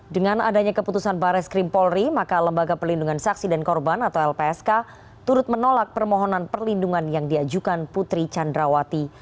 dengan adanya keputusan bares krim polri maka lembaga pelindungan saksi dan korban atau lpsk turut menolak permohonan perlindungan yang diajukan putri candrawati